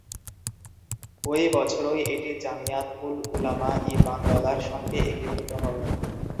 ওই বছরই এটি জামিয়াত-উল-উলামা-ই-বাঙ্গালার সঙ্গে একীভূত হয়।